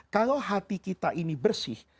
kalau hati kita ini bersih